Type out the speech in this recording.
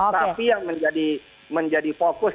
tapi yang menjadi fokus